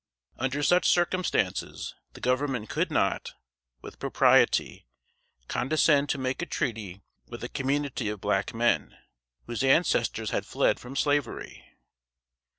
Under such circumstances, the Government could not, with propriety, condescend to make a treaty with a community of black men, whose ancestors had fled from slavery.